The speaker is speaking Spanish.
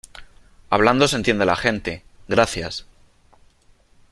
hablando se entiende la gente . gracias .